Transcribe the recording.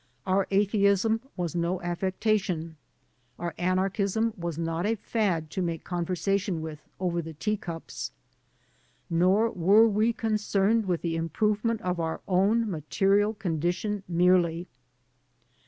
Our atheism was no affectation; our anarchism was not a fad to make conversation with over the tea cups. Nor were we concerned with the improvement of our own material condition merely.